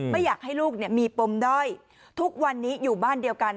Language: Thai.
ไม่อยากให้ลูกมีปมด้อยทุกวันนี้อยู่บ้านเดียวกัน